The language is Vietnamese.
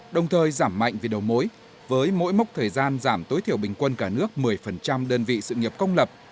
đồng thời giảm mạnh vì đầu mối với mỗi mốc thời gian giảm tối thiểu bình quân cả nước một mươi đơn vị sự nghiệp công lập